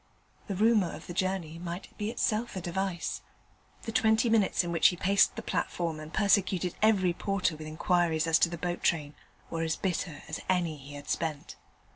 The rumour of the journey might be itself a device. The twenty minutes in which he paced the platform and persecuted every porter with inquiries as to the boat train were as bitter as any he had spent.